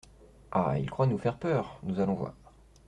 Ah ! il croit nous faire peur ; nous allons voir.